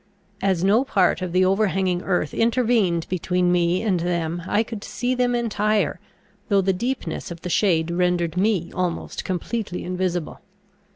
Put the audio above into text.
As no part of the overhanging earth intervened between me and them, I could see them entire, though the deepness of the shade rendered me almost completely invisible.